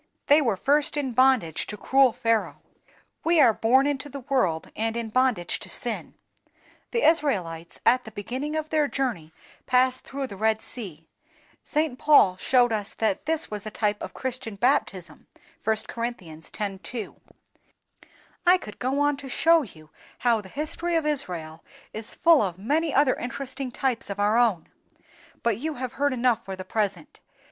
They were first in bondage to cruel Pharaoh; we are born into the world in bondage to sin. The Israelites at the beginning of their journey passed through the Red Sea; St. Paul shows us that this was a type of Christian baptism (1 Cor. x. 2). I could go on to show you how the history of Israel is full of many other interesting types of our own, but you have heard enough for the present.